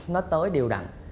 nó tới đều đặn